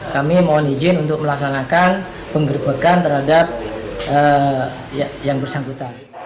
kami mohon izin untuk melaksanakan penggerbekan terhadap yang bersangkutan